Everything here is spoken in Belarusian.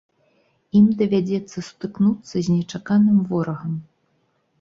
Ім давядзецца сутыкнуцца з нечаканым ворагам.